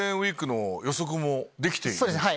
そうですね